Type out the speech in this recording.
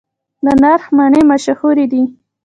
د نرخ مڼې مشهورې دي